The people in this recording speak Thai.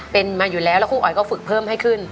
เป็นมาอยู่แล้วแล้วครูอ๋อยก็ฝึกเพิ่มให้ขึ้น